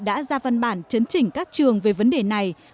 đã ra văn bản chấn chỉnh các trường về vấn đề này